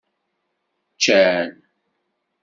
Ččan.